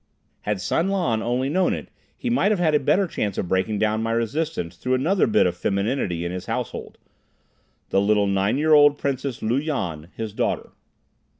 Had San Lan only known it, he might have had a better chance of breaking down my resistance through another bit of femininity in his household, the little nine year old Princess Lu Yan, his daughter.